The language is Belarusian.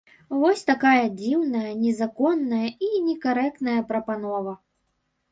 Вось такая дзіўная, незаконная і некарэктная прапанова.